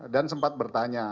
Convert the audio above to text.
dan sempat bertanya